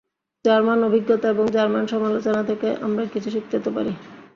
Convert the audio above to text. German অভিজ্ঞতা এবং German আলোচনা থেকে আমরা কিছু শিখতে তো পারি।